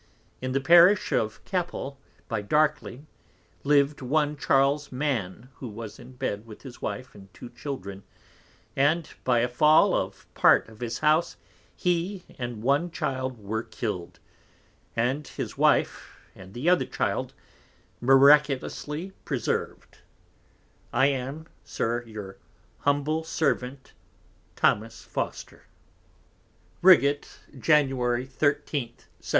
In the Parish of Capel by Darking lived one Charles Man, who was in Bed with his Wife and two Children, and by a fall of part of his House, he and one Child were killed, and his Wife, and the other Child, miraculously preserved, I am Rigate, Sir, Your humble Servant, Jan. 13. 1703/4.